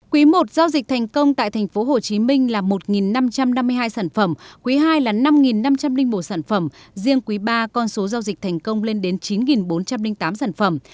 quý một giao dịch thành công tại tp hcm là một năm trăm năm mươi hai sản phẩm quý ii là năm năm trăm linh bộ sản phẩm riêng quý ba con số giao dịch thành công lên đến chín bốn trăm linh tám sản phẩm